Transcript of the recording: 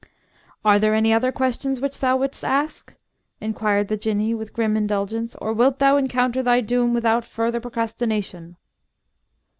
"Are there any other questions which thou wouldst ask?" inquired the Jinnee, with grim indulgence; "or wilt thou encounter thy doom without further procrastination?"